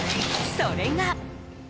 それが。